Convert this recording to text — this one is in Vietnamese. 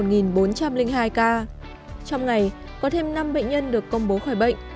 trong ngày có thêm năm bệnh nhân được công bố khỏi bệnh